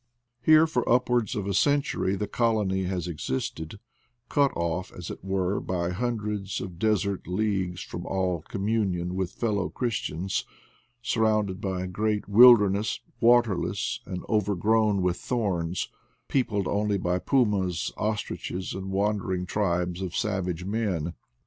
Here for upwards of a century the colony has existed, cut off, as it were, by hundreds of desert leagues from all communion with f ellow christians, surrounded by a great wil derness, waterless and overgrown with thorns, peopled only by pumas, ostriches, and wandering tribes of savage men.